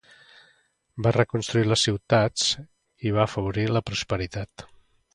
Va reconstruir les ciutats i va afavorir la prosperitat.